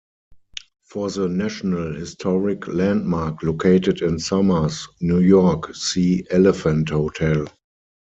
For the National Historic Landmark located in Somers, New York, see Elephant Hotel.